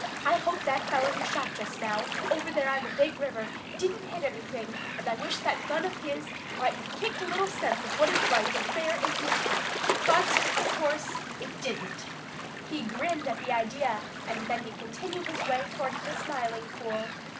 I hope that fellow who shot just now over there on the Big River didn't hit anything, and I wish that gun of his might have kicked a little sense of what is right and fair into his head, but of course it didn't." He grinned at the idea, and then he continued his way towards the Smiling Pool.